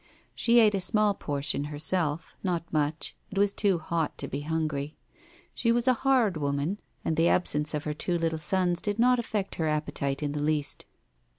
She ate a small portion herself — not much — it was too hot to be hungry. She was a hard woman, and the absence of her two little sons did not affect her appetite in the least.